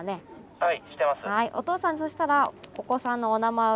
☎はい。